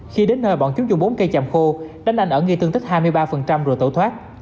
khi đến nơi bọn chúng dùng bốn cây chàm khô đánh anh ẩn gây thương tích hai mươi ba rồi tẩu thoát